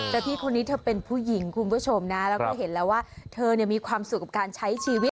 แต่พี่คนนี้เธอเป็นผู้หญิงคุณผู้ชมนะแล้วก็เห็นแล้วว่าเธอมีความสุขกับการใช้ชีวิต